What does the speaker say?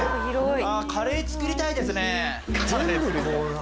カレー作りたいですね。